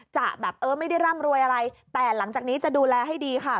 จะแบบเออไม่ได้ร่ำรวยอะไรแต่หลังจากนี้จะดูแลให้ดีค่ะ